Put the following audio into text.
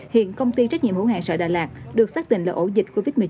hiện công ty trách nhiệm hữu hàng sợ đà lạt được xác định là ổ dịch covid một mươi chín